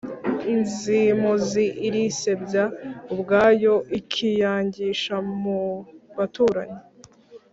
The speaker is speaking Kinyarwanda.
Inzimuzi irisebya ubwayo, ikiyangisha mu baturanyi.